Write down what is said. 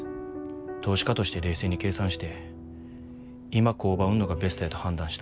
投資家として冷静に計算して今工場を売んのがベストやと判断した。